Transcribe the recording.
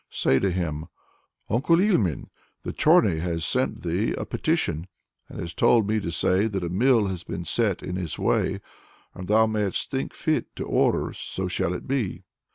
Say to him, 'Uncle Ilmen! the Chorny has sent thee a petition, and has told me to say that a mill has been set in his way. As thou may'st think fit to order, so shall it be!'"